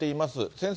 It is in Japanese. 先生